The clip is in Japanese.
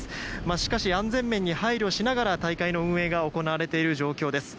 しかし、安全面に配慮しながら大会の運営が行われている状況です。